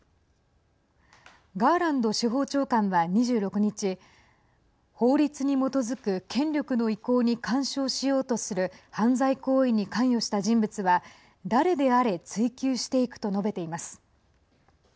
ガーランド司法長官は２６日法律に基づく権力の移行に干渉しようとする犯罪行為に関与した人物は誰であれ追及していくと述べています。